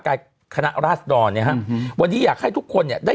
กายคณะราชดรเนี่ยฮะอืมวันนี้อยากให้ทุกคนเนี่ยได้